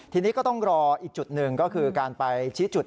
ทีนี้ก็ต้องรออีกจุดหนึ่งก็คือการไปชี้จุด